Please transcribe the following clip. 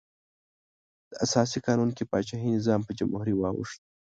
د اساسي قانون کې پاچاهي نظام په جمهوري واوښت.